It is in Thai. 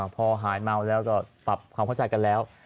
พอหายเมาแล้วก็ปรับความเข้าใจกันแล้ว